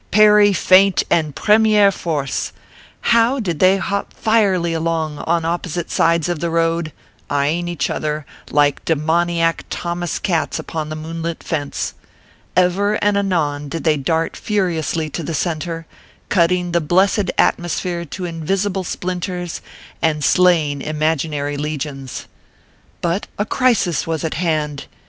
parry, feint, and premiere force ! Now did they hop fierily along on opposite sides of the road, eyeing each other like demoniac Thomas Cats upon the moonlit fence. Ever and anon did they dart furiously to the centre, cutting the blessed atmosphere to invisible splinters, and slaying imaginary legions. But a crisis was at hand